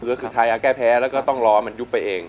ก็คือไทยแก้แพ้แล้วก็ต้องรอมันยุบไปเอง